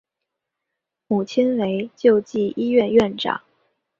母亲为救济医院院长。